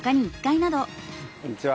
こんにちは。